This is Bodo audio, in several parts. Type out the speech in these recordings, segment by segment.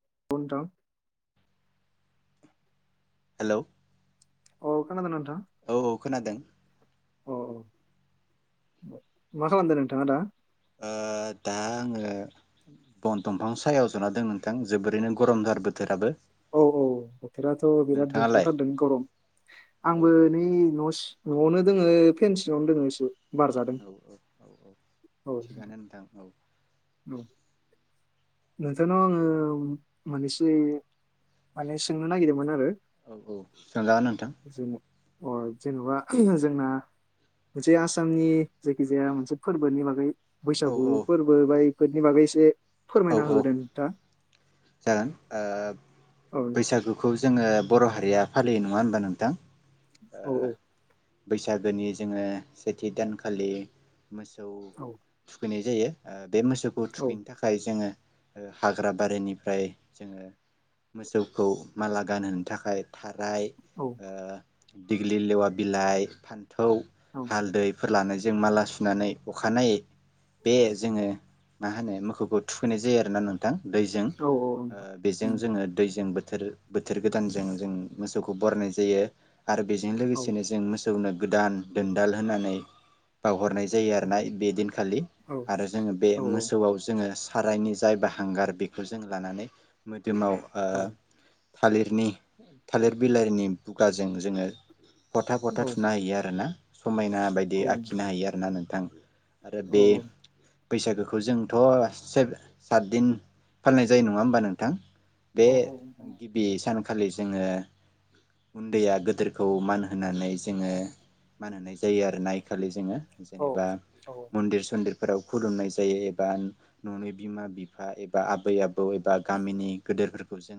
[unintelligible] नोंथां। हेल'? औ खोनादों ना नों औ औ खोनादों। औ औ मा खालामदों नोंथाङा दा? ओ दा आङो बन दंफां सायाव जना दं नोंथां, जोबोरैनो गरमथार बोथोराबो। औ औ बोथोराथ' बिराद नोंथाङालाय दुंखावथारदों गरम। औ आंबो औ नै न' न'आवनो दङो फेन सिङावनो दङो एसे बार जादों औ औ औ औ थिगानो नोंथां औ। औ। नोंथांनाव आङो मोननैसो माने सोंनो नागिरदोंमोन आरो औ औ सोंजागोन नोंथां। जों अ जेन'बा जोंना मोनसे आसामनि जायखिजाया मोनसे फोरबोनि बागै औ बैसागु औ फोरबो बा फोरनि बागै एसे। औ फोरमायना औ होदों नोंथाङा जागोन औ नोंथां बैसागुखौ जोङो बर' हारिया। फालियो नङा होनबा नोंथां। ओ। औ बैसागोनि जोङो सेथि दानखालि। मोसौ औ थुखैनाय। जायो ओ। बे मोसौखौ थुखैनो थाखाय। जोंडो़ हाग्रा बारिनिफ्राय जोङो मोसौखौ माला गानहोनो थाखाय। ओमफ्राय औ ओ। दिगलि लेवा बिलाइ फान। थौ औ हालदै। फोर लानायजों माला सुनानै अखानायै बे जोङो मा होनो मोखौ। थुखैनाय जायो आरो ना नोंथां। दैजों औ औ औ नोंथां। उम बेजों जोङो दैजों बोथोर। बोथोर बोथोर गोदानजों जों मोसौखौ बरायनाय जायो। आरो बेजों औ लोगोसेनो जों मो। सौनो गोदान दोनदाल होनानै बावहरनाय। जायो औ आरोना बे दिनखालि औ आरो जोङो बे औ मोसौआव जोङो। सारायनि जाय बा हांगार बेखौ जों लानानै। बिमाव। औ थालिरनि थालिर बिलाइनि बुगाजों जोङो। गथा फथा औ थुना हैयो आर ना। समायना औ बायदि नोंथां आखिनो हायो आरो ना नोंथां। आरो औ बे। बैसागोखौ जोंथ'। से सातदिन फालिनाय जायो नङा होमबा नोंथां। बे औ गिबि सान। खालि जोङो उन्दैया गदोरखौ मान होनानै जोङो मान होनाय जायो आरोना इखालि जोङो। औ जेनेबा मन्दिर सन्दिर फोराव खुलुमनाय जायो एबा। न'नि बिमा बिफा एबा आबै आबौ एबा गामिनि गोदेरफोरखौ जों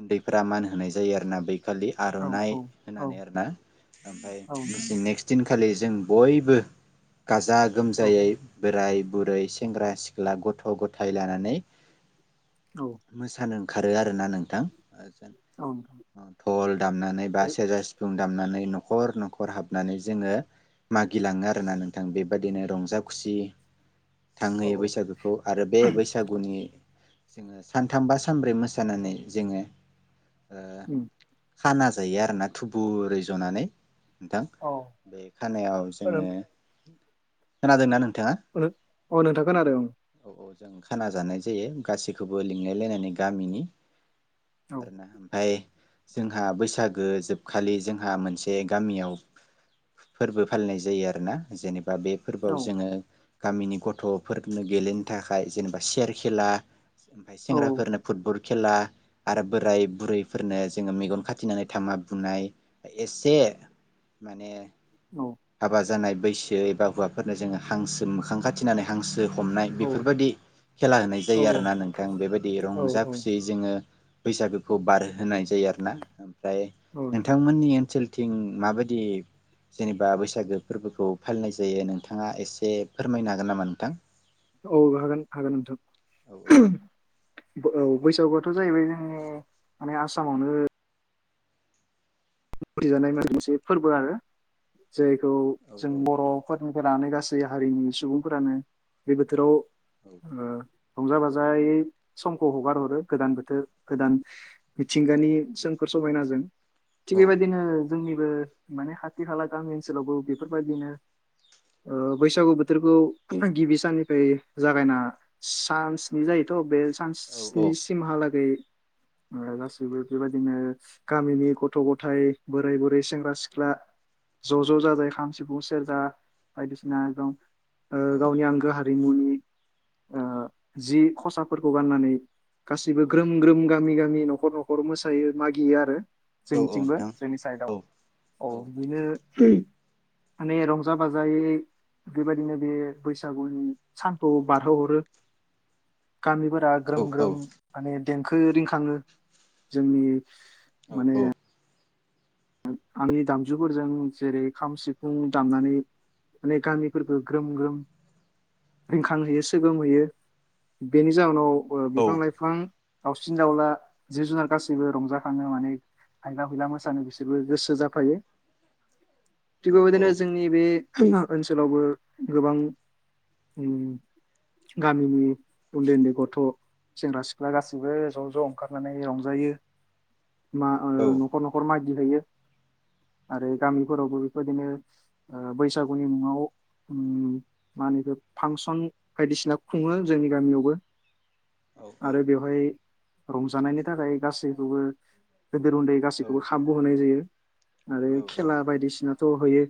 उन्दैफोरा मान होनाय जायो आरोना बे। खालि औ आर'नाइ औ होनानै आरोना मफ्राय औ नोंथां नेख्स दिननि खालि जों बयबो। गाजा औ गोमजायै बोराय बुरै सेंग्रा सि ख्ला गथ' गथाय लानानै औ मोसानो ओंखारो आरोना नोंथां। नोंथां धल दामनानै बा सेरजा सिफुं दामनानै नखर नखर हाबनानै जोङो मागिलाङो आरोना नोंथां बेबादिनो रंजा खुसि औ थांहोयो बै गुखौ आरो बे बैसागुनि जोङो सानथाम बा सानब्रै मोसानानै जोङो ओ उम। खाना जायो आरोना थुबुरै जनानै नोंथां। औ बे खानायाव औ जोङो खोनादोना नों ओनो अ नोंथां खोनादो। औ औ जों खाना जानाय जायो गासैखौबो लिंलाय लायनानै गामिनि औ आरोना ओमफाय जोंहा बैसागो जोबखालि जोंहा मोनसे गामियाव फोरबो फालिनाय जायो आरोना जेने बा बे औ फोरबोआव जोङो गामिनि गथफोर नो गेलेनो थाखाय जेनोबा चेयार खेला ओमफाय औ सेंग्राफोरनो फुटबल खेला आरो बोराय बुरैफोरनो जोङो मेगन खाथेनानै धामा बुनाय एसे माने औ हाबा जानाय बैसो एबा हौवाफोरनो जोङो हांसो मोखां खाथिनानै हांस हमनाय बेफोरबादि खेला होनाय जायो आरोना औ नोंथां बेबादि औ रंजा खुसियै जोङो बैसागोखौ बार होनोनाय जायो आरो ना। ओमफ्राय नोंथां नोंथांमोननि ओनसोल थिं माबायदि जेनोबा बैसागो फोरबोखौ फालिनाय जायो नोंथाङा एसे फोरमायनो हागोन नामा नोंथां? औ हागोन हागोन औ नोंथां। [inaudible] औ बैसागुयाथ' जाहैबाय जोंनि माने आसामावनो [unintelligible] मोनसे फोरबो आरो जायखौ औ जों बर'फोर फोरानो गासै हारिनि सुबुंफोरानो बे बोथोराव औ ओ। रंजा बाजायै समखौ हगार हरो गोदान बोथोर गोदान मिथिंगानि सोमखोर समायना जों औ थिग बेबायदिनो जोंनिबो माने खाथि खाला गामि ओनसोलावबो बेफोरबायदिनो ओ बैसागु बोथोरखौ गिबि साननिफ्राय जागायना सान स्नि जायोथ' बे स औ चान्सनि सिमहालागै। ओ गासैबो बेबायदिनो गामिनि ग' थ' गथाय बोराय बुरै सेंग्रा सिख्ला ज'-ज' जाजाय खाम सिफुं सेरजा बायदिसिना एकदम औ ओ गावनि आंगो हा दैमुनि ओ जि खसाफोरखौ गाननानै गासिबो ग्रोम ग्रोम गामि गामि न'खर न'खर मोसायो मागियो आरो। औ औ जोंनिथिंबो नोंथां जोंनि औ साइडआव औ बिनो उम माने रंजा बाजायै बेबायदिनो बे बैसागुनि सानखौ बारहोहरो। खामिफोर औ ग्रोम-ग्रोम काने देंखो रिंखाङो जोंनि औ माने औ। आंनि दामजुफोरजों जेरै खाम सिफुं दामनानै माने गामिफोरखो ग्रोम ग्रोम रिंखांहोयो सोगोमहयो बेनि जाहोनाव बय बिफां लाइफां दावसिन दावला जिब जुनार गासिबो रंजाखाङो माने आयला हुइला मोसानो बिसोरबो गोसो ओ जाफायो। औ थिग बेबायदिनो जोंनि बे [unintelligible] ओनसोलावबो गोबां [inaudible] उम गामिनि उन्दै-उन्दै गथ' सेंग्रा सिख्ला गासैबो ज'-ज' ओंखारनानै रंजायो। मा ओ न'खर न'खर मागि बैयो। आरो गामिफोरावबो बेफो बायदिनो ओ बैसागुनि मुङाव अम मा होनोयखो फांसन बायदिसिना खुङो जोंनि गामियावबो। आरो बेवहाय रंजानायनि थाखाय गासैखौबो गेदेर उन्दै गासैखौबो खाबु होनाय जायो। आरो औ खेला बायदिसिनाथ' होयो।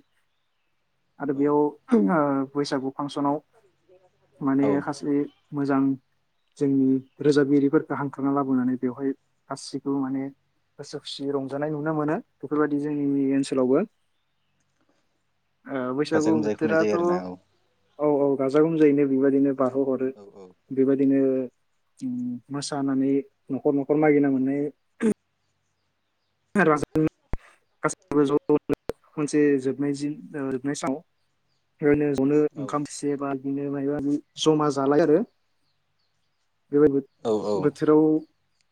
आरो औ बेयाव ओ बैसागु फांस'नाव [inaudible] माने औ खासे मोजां जोंनि रोजाबगिरिफोरखौ हांख्राना लाबोनानै बेवहाय गासिखौबो माने गोसो खुसिय रंजानाय नुनो मोनो। बेफोरबायदि जोंनि ओनसोलावबो [inaudible] ओ बैसागु गाजा गोमजायै खुंनाय बोथोराथ' जायो आरोना औ औ गाजा गोमजायैनो बेबायदिनो। बाहोहरो औ बेबायदिनो उम मोसानानै न'खर न'खर मागिना मोननाय [unintelligible] [unintelligible] गासैखौबो ज'नो मोनसे जोबनाय जिन ओ जोबनाय सानाव होनो जनो औ ओंखाम थिसेबा। बिनो मायबा मायबि जमा जालाय आरो। बेबायबो औ बोथोराव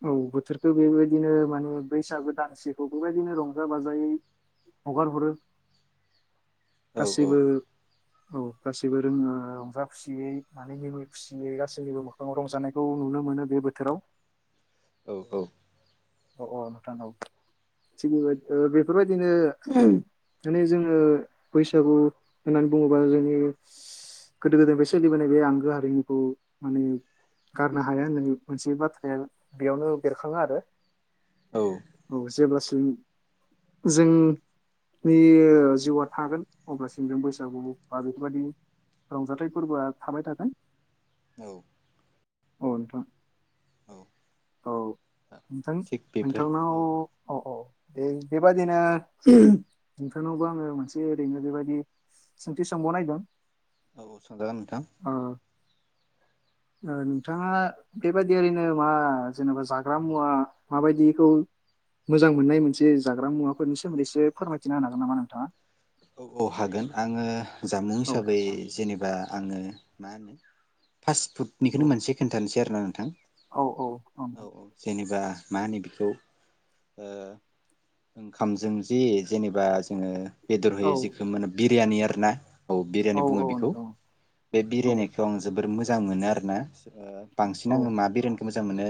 औ बोथोरखो बेबायदिनो माने बैसागु दानसेखौ बेबायदिनो रं जा बाजायै हगारहरो। औ गासैबो औ गासैबो रोङो रंजा खुसियै माने मिनि खुसियै गासैबो मोखाङाव रंजानायखौ नुनो मोनो बे बोथोराव। औ औ। अ अ नोंथां औ थिग बेबायदिनो ओ बेफोरबायदिनो दोनै जोङो बैसागु होननानै बुङोबा जोंनि गोदो गोदायनिफ्राय सोलिबोनाय बे आंगो हारिमुखौ माने गारनो हाया होननानै मोनसे बाथ्राया बेयावनो बेरखाङो आरो। औ औ जेब्ला जों जोंनि जिउआ थागोन अब्लासिम जों बैसागु बा बेफोरबायदि रंजाथाइ फोर्बोआ थाबाय थागोन। औ। औ नोंथां। औ नोंथां थिग बेफोर औ नोंथांनाव औ दे बेबादिनो नोंथांनावबो आङो मोनसे ओरैनो बेबायदि सोंथि सोंबावनागिरदों। औ सोंजागोन नोंथां। ओ नोंथाङा बेबादि ओरैनो मा जेनेबा जाग्रा मुवा माबायदिखौ मोजां मोननाय मोनसे जाग्रा मुवाफोरनि सोमोन्दै एसे फोरमायथिना होनो हागोन नामा नोंथाङा? औ औ हागोन आङो जामु औ हिसाबै जेनेबा आङो मा होनो फास्ट औ फुडनिखोनो मोनसे खोनथानोसै आरो ना। औ औ ओं। जेनेबा मा होनो बेखौ ओ ओंखामजों जि जेनेबा जोङो बेदर औ होयो जेखो माने बि रियानि आरोना। औ बिरियानि बुङो औ बिखौ नोंथां बे औ बिरियानिखौ आं जोबोर मोज जां मोनो आरो ना। ओ बांसिन औ आङो मा बिरियानिखो मोज जां मोनो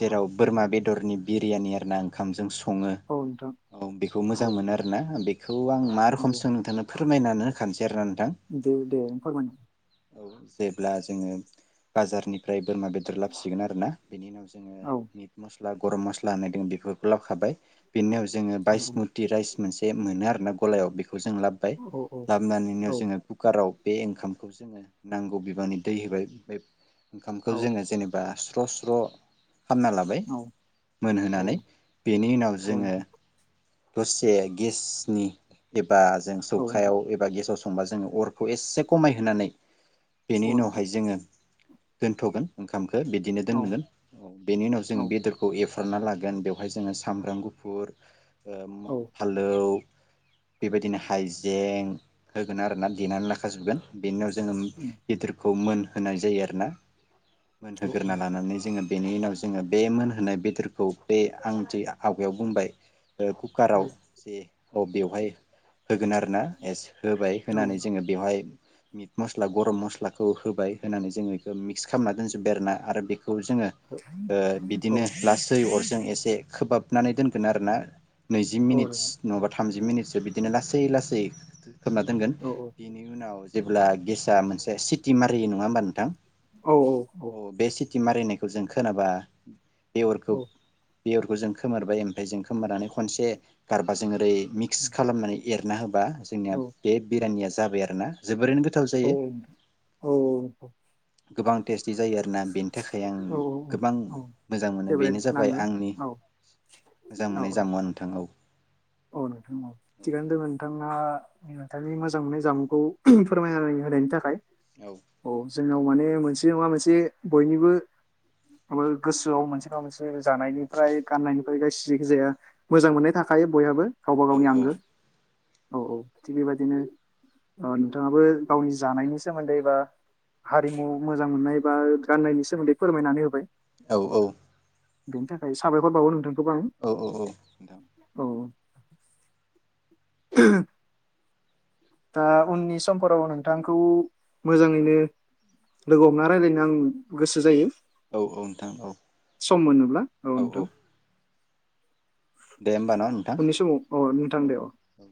जेराव बोरमा बेदरनि बिरियानि आरो ना ओंखाम सं सङो औ नोंथां औ बेखौ औ मोजां मोनो आरोना बे खौ आं। मा रखोम औ सो नोंथांनो फोरमायनानै होखानोसै आरो ना नों दे दे फोरमाय औ जेब्ला जोङो बाजारनिफ्राय बोरमा बेदर लाबोसिगोन आरोना बेनि उनाव जोङो औ मिट मस स्ला गरम मस्ला होननाय दङ बेफोरखौ लाबोखाबाय बेनि उन जोङो औ बाइसमुति राइस मोनसे मोनो आरोना गलायाव बे खौ जों लाबोबाय औ औ लाबोनानै जोङो कुकाराव बे ओंखामखौ जोङो नांगौ बिबांनि दै होबाय बे ओंखामखौ औ जोङो जेनेबा स्र-स्र' खामना लाबाय औ औ मोनहोनानै बेनि उनाव जोङो नोंथां दसे गेसनि बा जों औ नोंथां सौखायाव एबा गेसाव संबा जोङो अरखौ एसे खमायहोनानै बेनि औ नोंथां उनावहाय जोङो दोनथ'गोन ओंखाम बिदिनो दोनगोन औ बेनि उनाव जों औ बेदरखौ एव हरना लागोन बेवहाय जोङो सामब्राम गुफुर ओ औ फानलौ बेबायदिनो हाइजें होगोन आरोना देनानै लाखाजोबगोन। बेनिनाव जोङो उम गिदिरखौ खौ मोन होनोनाय जायो आरोना औ मोनहोग्रोना लानानै जोङो बेनि उनाव जोङो बे मोनहोनाय बेदरखौ बे आं जे आवगायाव बुंबाय औ कुकाराव जे औ बेवहाय होगोन आरो ना एस होबाय औ होनानै जोङो बेवहाय मिट मस्ला गरम मस्लाखौ होबाय होनानै जोङो मिक्स खालामना दोनस बेरना आरो बे खौ जोङो औ ओ औ बिदिनो लासै जों एसे खोबाबनानै दोनगोन आरोना। नैजि औ मिनिटस नङाबा थामजि मिनिटसो बिदि लासै लासै खोबना दोनगोन औ बेनि उनाव जेब्ला गेसा मोनसे सिट टिमारि नङा होमबा नोंथां अ बे सिटिमारि होननायखौ जों खोनाबा [unintelligible] बे अरखौ जों खोमोरबाय ओमफाय जों खोमोरनानै खनसे गारबाजों ओरै मिक्स खालामनानै एरना होब बा जोंनिया औ बे बेरियानिया जाबाय आरोना जोबोरैनो गोथ औ औ ओ औ। गोबां टेस्टि जायो आरो ना बेनि थाखाय आं औ गोबां औ मोजां मोनो फेभरेट बेनो जाबाय नाङो आंनि औ मोजां औ मोननाय औ जामुवा नोंथां औ। औ थिगानो दोङो नोंथाङा। नोंथांनि मोजां मोननाय जामुंखौ फोरमायनानै होनायनि थाखाय औ जोंनाव माने मोनसे नङा मोनसे बयनिबो माबा गोसोआव मोनसे नङा मोनसे ओ जानायनिफ्राय गाननाय [unintelligible] जाया मोजां मोननाया थाखायो बयहाबो। गावबा औ गावनि आंगो औ औ थिग बेबायदिनो ओ नोंथाङाबो गावनि जानायनि सोमोन्दै बा हारिमु मोजां मोननाय बा गाननायनि सोमोन्दै फोरमायनानै होबाय। औ औ। बेनि थाखाय साबायखर बावो नोंथां। औ औ औ नोंथां। औ [inaudible] दा उननि समफोराव आं नोंथांखौ मोजाङैनो लोगो हमना रायलायनो आं गोसो जायो। औ नोंथां औ सम मोनोब्ला औ नोंथां। दे होमबा न' नोंथां उननि समाव अ नोंथां औ दे अ। औ